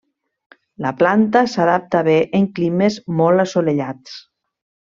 La planta s'adapta bé en climes molt assolellats.